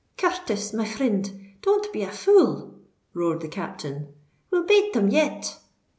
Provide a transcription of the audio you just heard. "Curthis, my frind—don't be a fool!" roared the captain: "we'll bate 'em yet!"